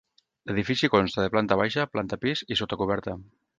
L'edifici consta de planta baixa, planta pis i sota coberta.